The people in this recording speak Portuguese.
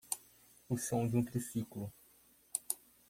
O som de um triciclo